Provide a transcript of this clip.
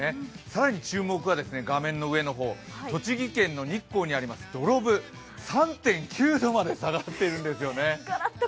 更に注目は栃木県の日光にあります土呂部、３．９度まで下がってるんですよね。